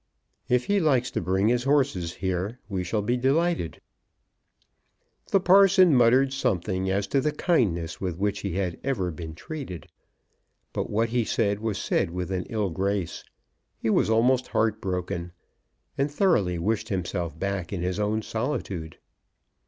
If he likes to bring his horses here, we shall be delighted." The parson muttered something as to the kindness with which he had ever been treated, but what he said was said with an ill grace. He was almost broken hearted, and thoroughly wished himself back in his own solitude.